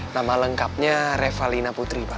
nama lengkapnya reva lina putri pak